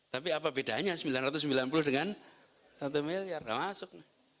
tapi apa bedanya sembilan ratus sembilan puluh dengan satu miliar nggak masuk